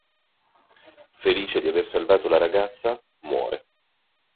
Felice di aver salvato la ragazza, muore.